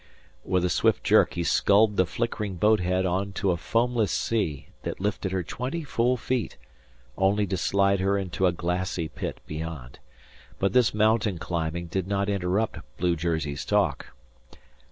With a swift jerk he sculled the flickering boat head on to a foamless sea that lifted her twenty full feet, only to slide her into a glassy pit beyond. But this mountain climbing did not interrupt blue jersey's talk.